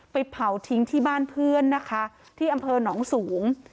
เผาทิ้งที่บ้านเพื่อนนะคะที่อำเภอหนองสูง